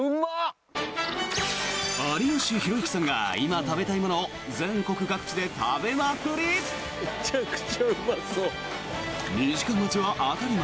有吉弘行さんが今、食べたいものを全国各地で食べまくり！